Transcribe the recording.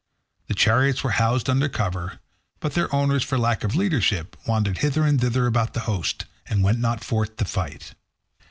The chariots were housed under cover, but their owners, for lack of leadership, wandered hither and thither about the host and went not forth to fight.